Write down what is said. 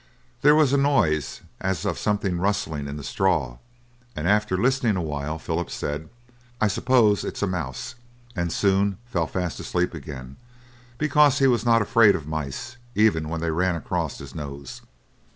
There was a noise as of something rustling in the straw, and after listening awhile, Philip said: "I suppose it's a mouse," and soon fell fast asleep again, because he was not afraid of mice even when they ran across his nose.